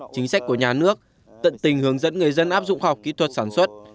chính sách của nhà nước tận tình hướng dẫn người dân áp dụng khoa học kỹ thuật sản xuất